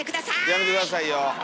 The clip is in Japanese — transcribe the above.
やめて下さいよ。